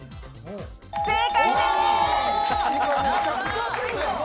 正解です！